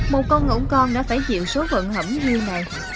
một con ngỗng con đã phải chịu số vận hẫm như này